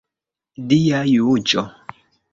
Dia juĝo.